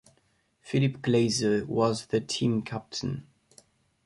Philip Glazer was the team captain.